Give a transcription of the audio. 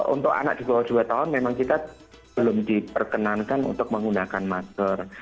untuk anak di bawah dua tahun memang kita belum diperkenankan untuk menggunakan masker